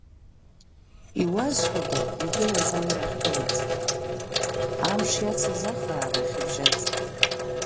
Иуазҳәода игылаз амра ахькылаӡ, амш иацыз ахаара ахьыбжьаӡ.